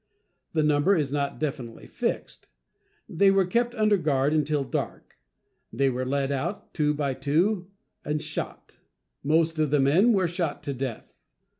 The number is not definitely fixed. They were kept under guard until dark. They were led out, two by two, and shot. Most of the men were shot to death.